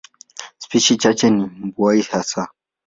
Spishi chache ni mbuai hasa.